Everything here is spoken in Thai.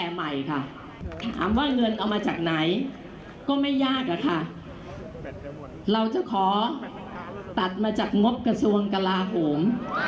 ขอบอกค่ะขอเรื่องไข่ละการหาศีลของภาคการเมืองที่จะให้ตัดนบกรองครับ